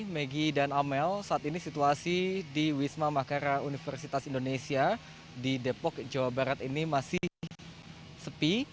megi dan amel saat ini situasi di wisma makara universitas indonesia di depok jawa barat ini masih sepi